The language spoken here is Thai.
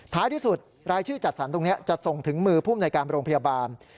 ที่สุดรายชื่อจัดสรรตรงนี้จะส่งถึงมือภูมิในการโรงพยาบาล